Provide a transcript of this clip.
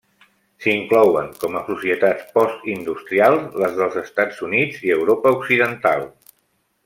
S'inclouen com a societats postindustrials les dels Estats Units i Europa Occidental.